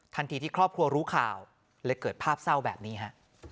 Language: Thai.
ที่ครอบครัวรู้ข่าวเลยเกิดภาพเศร้าแบบนี้ฮะ